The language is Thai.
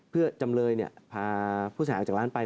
เพื่อจำเลยพาผู้เสียหายออกจากร้านไป